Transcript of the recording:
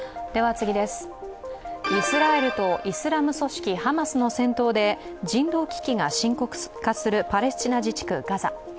イスラエルとイスラム組織ハマスの戦闘で人道危機が深刻化するパレスチナ自治区ガザ。